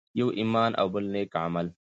يو ایمان او بل نیک عمل.